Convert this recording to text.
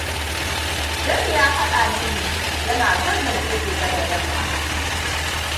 Jami ya fada mini yana son na zo gobe da yamma.